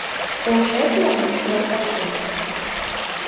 Полшет мо, йолташем?